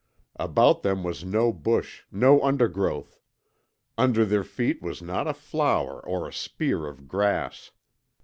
About them was no bush, no undergrowth; under their feet was not a flower or a spear of grass.